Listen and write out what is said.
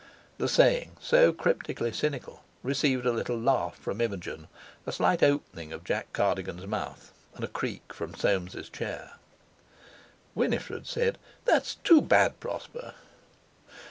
The saying, so cryptically cynical, received a little laugh from Imogen, a slight opening of Jack Cardigan's mouth, and a creak from Soames' chair. Winifred said: "That's too bad, Prosper."